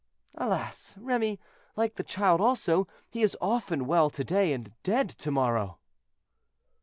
"Alas! Remy, like the child also, he is often well to day and dead to morrow."